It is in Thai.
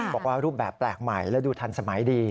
บอกว่ารูปแบบแปลกใหม่และดูทันสมัยดี